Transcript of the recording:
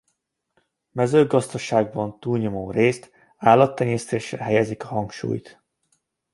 Mezőgazdaságban túlnyomórészt állattenyésztésre helyezik a hangsúlyt.